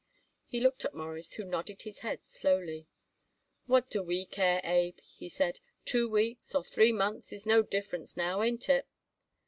Abe looked at Morris, who nodded his head slowly. "What do we care, Abe," he said, "two weeks or three months is no difference now, ain't it?"